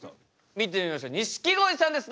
見てみましょう錦鯉さんですどうぞ！